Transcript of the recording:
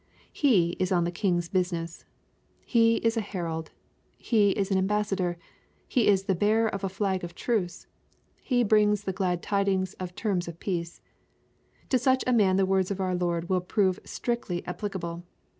He is on the King's business. He is a herald. He is an ambassador. He is the bearer of a flag of truce. He brings the glad tidings of terms of peace. To such a man the words of our Lord will prove strictly applicable.